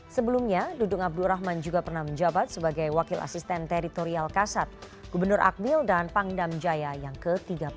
sebelumnya dudung abdurrahman juga pernah menjabat sebagai wakil asisten teritorial kasat gubernur akmil dan pangdam jaya yang ke tiga puluh enam